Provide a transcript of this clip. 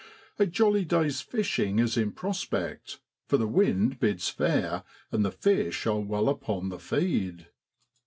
A jolly day's fishing is in pros pect, for the wind bids fair and the fish are well upon the feed.